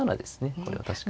これは確かに。